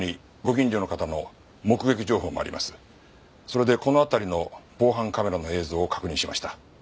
それでこの辺りの防犯カメラの映像を確認しました。